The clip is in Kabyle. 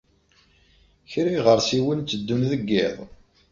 Kra n yiɣersiwen tteddun deg yiḍ.